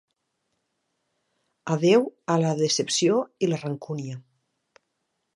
Adéu a la decepció i la rancúnia.